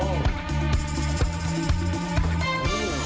โอ้โห